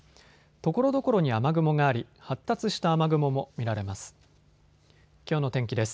ところどころに雨雲があり、発達した雨雲も見られます。